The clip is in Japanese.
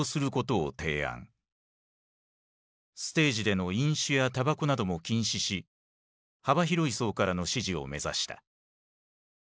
ステージでの飲酒やたばこなども禁止し幅広い層からの支持を目指した。